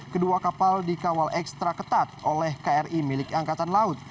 kedua kapal dikawal ekstra ketat oleh kri milik angkatan laut